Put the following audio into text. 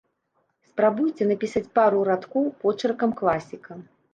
Спрабуйце напісаць пару радкоў почыркам класіка!